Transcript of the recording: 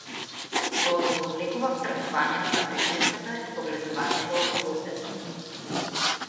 Го одолговлекував тргнувањето на прекривката и погледнувањето околу себе.